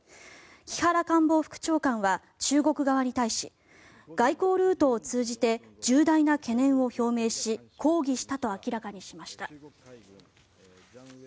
木原官房副長官は中国側に対し外交ルートを通じて重大な懸念を表明し抗議したと明らかにしました。